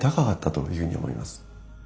というふうに思います。